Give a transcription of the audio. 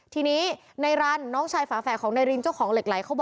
ที่นี้ในร้านน้องชายฝาแฝกของไดรินเจ้าของเหล็กไร